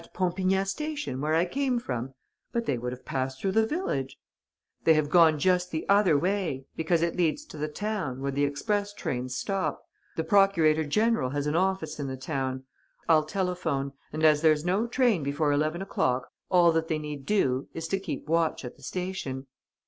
"At Pompignat station, where I came from? But they would have passed through the village." "They have gone just the other way, because it leads to the town, where the express trains stop. The procurator general has an office in the town. I'll telephone; and, as there's no train before eleven o'clock, all that they need do is to keep a watch at the station."